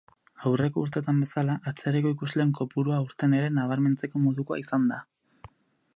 Aurreko urteetan bezala, atzerriko ikusleen kopurua aurten ere nabarmentzeko modukoa izan da.